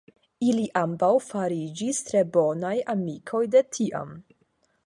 Ili ambaŭ fariĝis tre bonaj amikoj de tiam.